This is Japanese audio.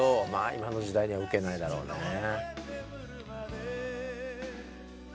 今の時代には受けないだろうねえ。